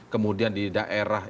kemudian di daerah